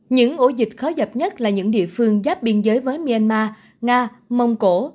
những ổ dịch khó dập nhất là những địa phương giáp biên giới với myanmar nga mông cổ